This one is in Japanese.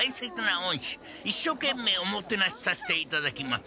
一所懸命おもてなしさせていただきます。